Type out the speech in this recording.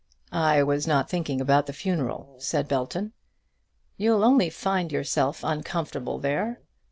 "I was not thinking about the funeral," said Belton. "You'll only find yourself uncomfortable there."